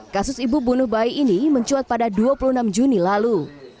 kasus ibu bunuh bayi ini mencuat pada dua puluh enam juni lalu